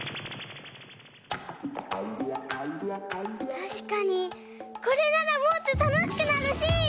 たしかにこれならもっとたのしくなるし！